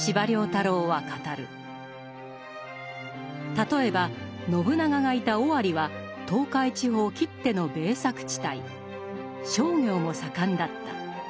例えば信長がいた尾張は東海地方きっての米作地帯商業も盛んだった。